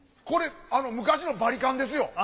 これ昔のバリカンですよ。